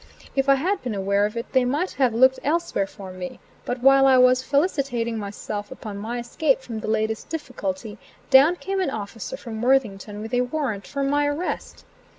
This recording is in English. If I had been aware of it, they might have looked elsewhere for me; but while I was felicitating myself upon my escape from the latest difficulty, down came an officer from Worthington with a warrant for my arrest.